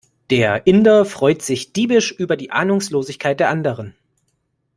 Der Inder freut sich diebisch über die Ahnungslosigkeit der anderen.